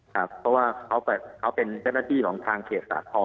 ครับเพราะว่าเขาเป็นเจ้นอาทิตย์ของทางเขตสถานนะคะ